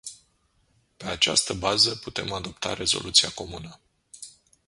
Pe această bază putem adopta rezoluția comună.